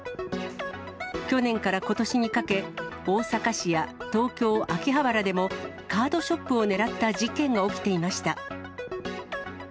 去年からことしにかけ、大阪市や東京・秋葉原でも、カードショップを狙った事件が起きていました。